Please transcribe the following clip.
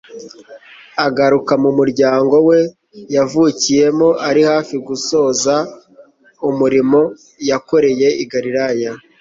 Agaruka mu muryango we yavukiyemo ari hafi gusoza umurimo yakoreye i Galilaya.